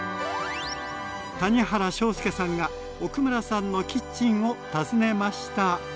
谷原章介さんが奥村さんのキッチンを訪ねました。